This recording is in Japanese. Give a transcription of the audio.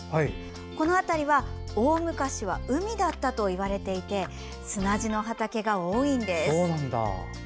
この辺りは大昔は海だったといわれていて砂地の畑が多いんです。